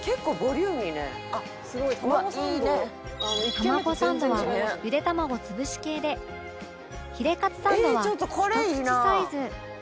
たまごサンドはゆで卵潰し系でヒレカツサンドはひと口サイズ